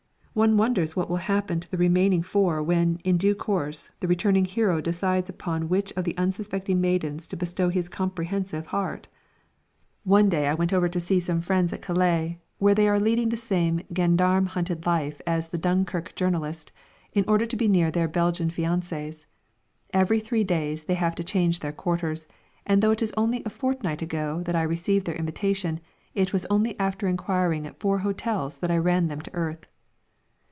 One wonders what will happen to the remaining four when, in due course, the returning hero decides upon which of the unsuspecting maidens to bestow his comprehensive heart! One day I went over to see some friends at Calais, where they are leading the same gendarme hunted life as the Dunkirk journalist, in order to be near their Belgian fiancés. Every three days they have to change their quarters, and though it is only a fortnight ago that I received their invitation, it was only after inquiring at four hotels that I ran them to earth.